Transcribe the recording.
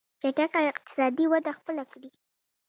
چټکه اقتصادي وده خپله کړي.